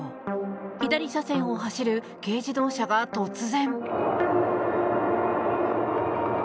左車線を走る軽自動車が突然。